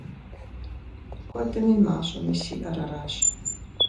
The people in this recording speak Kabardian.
Куэдми мащӏэми сиӏэр аращ.